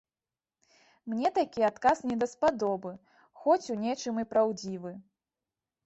Мне такі адказ недаспадобы, хоць у нечым і праўдзівы.